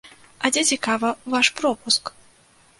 А дзе, цікава, ваш пропуск?!